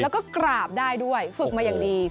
แล้วก็กราบได้ด้วยฝึกมาอย่างดี